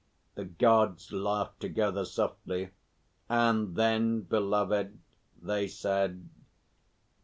The Gods laughed together softly. "And then, beloved," they said.